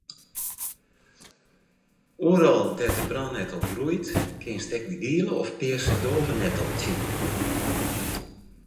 Oeral dêr't de brannettel groeit kinst ek de giele of pearse dôvenettel tsjinkomme.